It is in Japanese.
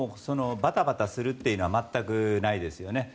バタバタするっていうのは全くないですよね。